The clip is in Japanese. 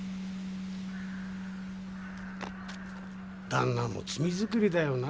旦那も罪作りだよな。